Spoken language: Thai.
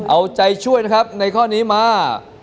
เอาใจช่วยในข้อนี้มา